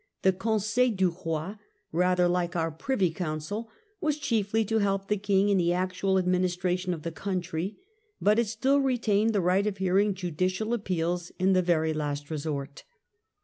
The Gonseil clu Roi, rather like our Privy Council, was chiefly to help the King in the actual administration of the country, but it still retained the right of hearing judicial appeals in the very last resort.